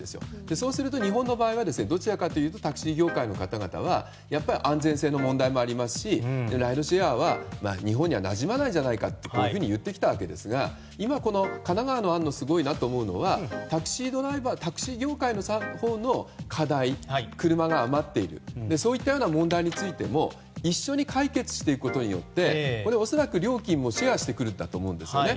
そうすると日本の場合はどちらかというとタクシー業界の方々は安全性の問題もありますしライドシェアは日本には、なじまないんじゃないかというふうに言ってきたわけですが今、神奈川の案がすごいなと思うのはタクシー業界のほうの課題車が余っているそういったような問題についても一緒に解決していくことによって恐らく料金もシェアするんだと思うんですね。